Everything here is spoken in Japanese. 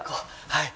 はい。